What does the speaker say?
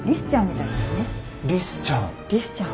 リスちゃん。